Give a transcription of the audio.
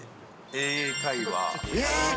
英会話。